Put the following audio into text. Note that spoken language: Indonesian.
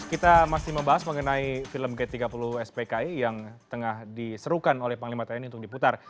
kita masih membahas mengenai film g tiga puluh spki yang tengah diserukan oleh panglima tni untuk diputar